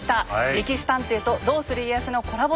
「歴史探偵」と「どうする家康」のコラボ